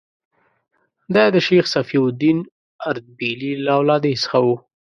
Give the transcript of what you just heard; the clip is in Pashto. دی د شیخ صفي الدین اردبیلي له اولادې څخه و.